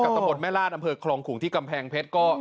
ส่วนแม่ราชเดชน์อ้ำเภอของขุงดังแผงเพชร